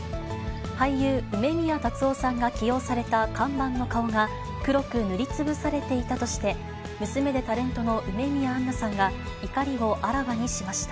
俳優、梅宮辰夫さんが起用された看板の顔が、黒く塗りつぶされていたとして、娘でタレントの梅宮アンナさんが、怒りをあらわにしました。